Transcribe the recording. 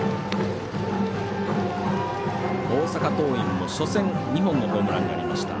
大阪桐蔭、初戦、２本のホームランがありました。